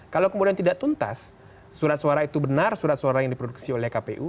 kalau kemudian tidak tuntas surat suara itu benar surat suara yang diproduksi oleh kpu